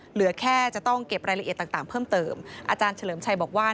เหลือแค่จะต้องเก็บรายละเอียดต่างเพิ่มเติมอาจารย์เฉลิมชัยบอกว่า